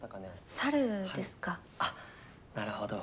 あっなるほど。